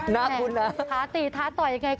หน้าคุณนะท้าตีท้าต่อยยังไง